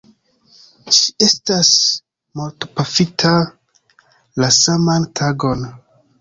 Ŝi estas mortpafita la saman tagon.